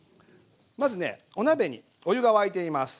まずねお鍋にお湯が沸いています。